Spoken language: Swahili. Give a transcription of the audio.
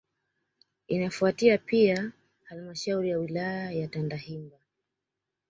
Inafuatia Pia halmashauri ya wilaya ya Tandahimba